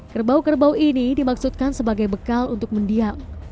kerbau kerbau ini dimaksudkan sebagai bekal untuk mendiam